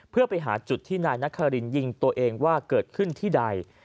เพื่อไปหาจุดที่นายนครินยิงตัวเองว่าเกิดขึ้นที่ใด